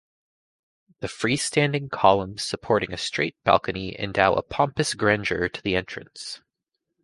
The free-standing columns supporting a straight balcony endow a pompous grandeur to the entrance.